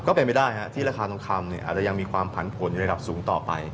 ก็เป็นไปได้ที่ราคาทองคำอาจจะยังมีความผันผลอยู่ระดับสูงต่อไป